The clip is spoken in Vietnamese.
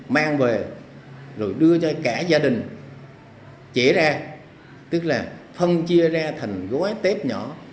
mang về rồi đưa cho cả gia đình trễ ra tức là phân chia ra thành gói tép nhỏ